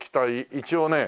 一応ね